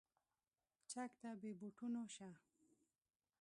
چک ته بې بوټونو شه.